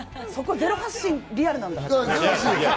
ゼロ発信、リアルなんだ。